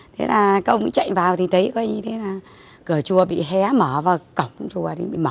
thế là các ông chạy vào thì thấy có gì thế là cửa chùa bị hé mở và cổng chùa thì bị mở